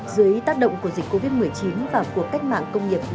dưới tác động của dịch covid một mươi chín và cuộc cách mạng công nghiệp bốn